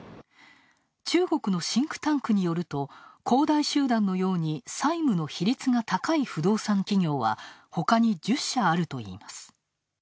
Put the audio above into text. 中国のシンクタンクによると恒大集団のように債務の比率が高い不動産企業はほかに１０社あるといいます。